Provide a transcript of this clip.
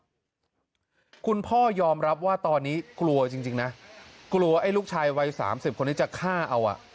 โอ้โอ้โหคุณพ่อยอมรับว่าตอนนี้กลัวจริงนะกลัวว่าไอลูกชายวัยสามสิบคนจะฆ่าเอา